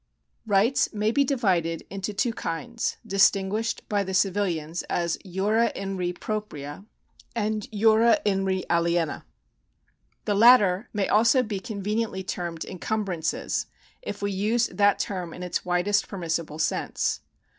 Rights may be divided into two kinds, distinguished by the civihans as jura in re propria a,nd jura in re aliena. The latter may also be conveniently termed encumbrances, if we use that term in its widest permissible sense.